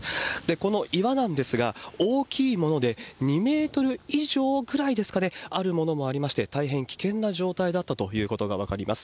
この岩なんですが、大きいもので２メートル以上ぐらいですかね、あるものもありまして、大変危険な状態だったということが分かります。